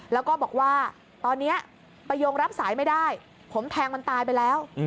แล้วก็บอกว่าตอนนี้ประโยงรับสายไม่ได้ผมแทงมันตายไปแล้ว